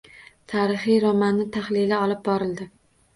Tarixiy romani tahlili olib borildi.